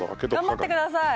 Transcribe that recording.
頑張ってください。